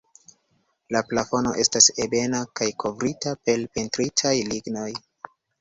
La plafono estas ebena kaj kovrita per pentritaj lignoj.